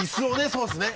そうですね。